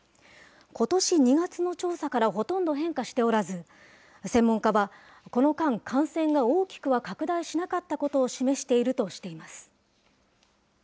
ことし２月の調査からほとんど変化しておらず、専門家はこの間、感染が大きくは拡大しなかったことを示しているとしています。